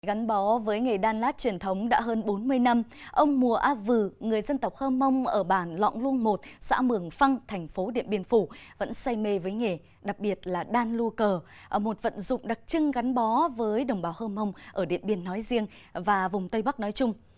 gắn bó với nghề đan lát truyền thống đã hơn bốn mươi năm ông mùa á vừ người dân tộc hơ mông ở bản lọng luông một xã mường phăng thành phố điện biên phủ vẫn say mê với nghề đặc biệt là đan lu cờ một vận dụng đặc trưng gắn bó với đồng bào hơ mông ở điện biên nói riêng và vùng tây bắc nói chung